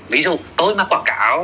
ví dụ tôi mà quảng cáo